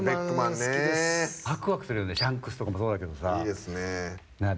シャンクスとかもそうだけどさ。